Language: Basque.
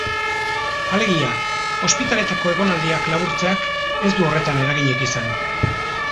Alegia, ospitaletako egonaldiak laburtzeak ez du horretan eraginik izan.